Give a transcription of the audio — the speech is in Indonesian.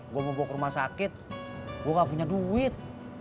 gue mau bawa ke rumah sakit gue gak punya duit